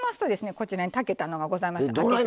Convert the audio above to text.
こちらに炊けたのがございます。